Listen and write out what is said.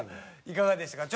いかがでしたか？